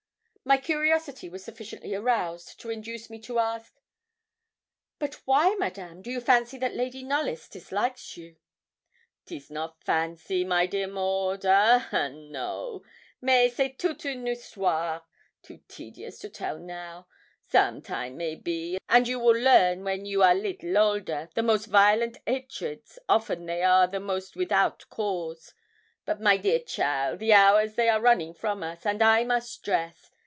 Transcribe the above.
My curiosity was sufficiently aroused to induce me to ask 'But why, Madame, do you fancy that Lady Knollys dislikes you?' ''Tis not fancy, my dear Maud. Ah ha, no! Mais c'est toute une histoire too tedious to tell now some time maybe and you will learn when you are little older, the most violent hatreds often they are the most without cause. But, my dear cheaile, the hours they are running from us, and I must dress.